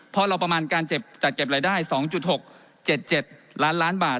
เพราะเราประมาณการจัดเก็บรายได้๒๖๗๗ล้านล้านบาท